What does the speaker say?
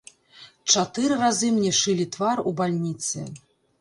Чатыры разы мне шылі твар у бальніцы.